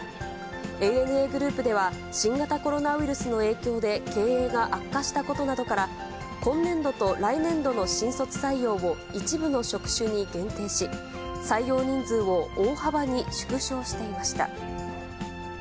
ＡＮＡグループでは、新型コロナウイルスの影響で経営が悪化したことなどから、今年度と来年度の新卒採用を、一部の職種に限定し、採用人数を大幅に縮小していました。